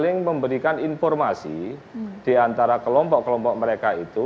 sering memberikan informasi di antara kelompok kelompok mereka itu